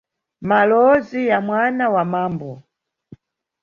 Malowozi ya mwana wa mambo.